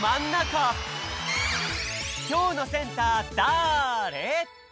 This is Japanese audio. きょうのセンターだぁれ？